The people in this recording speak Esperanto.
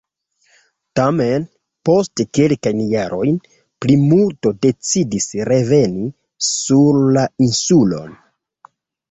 Tamen, post kelkajn jarojn, plimulto decidis reveni sur la insulon.